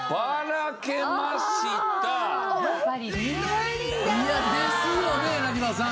いやですよね柳葉さん。